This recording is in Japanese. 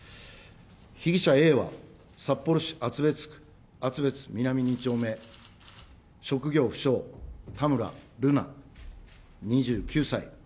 被疑者Ａは札幌市厚別区厚別南２丁目、職業不詳、田村瑠奈２９歳。